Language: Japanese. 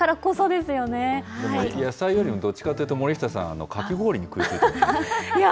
でも、野菜よりもどっちかっていうと森下さん、かき氷に食いいや